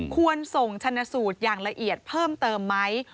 ควรส่งชนสูตรอย่างละเอียดเพิ่มเติมไหม